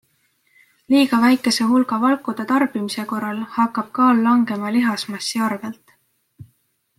Liiga väikese hulga valkude tarbimise korral hakkab kaal langema lihasmassi arvelt.